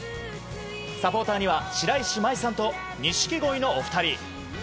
サポーターには白石麻衣さんと錦鯉のお二人。